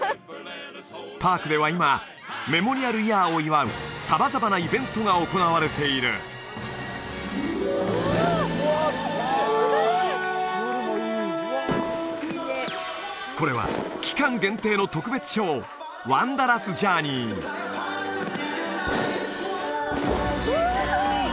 パークでは今メモリアルイヤーを祝う様々なイベントが行われているこれは期間限定の特別ショーうわ！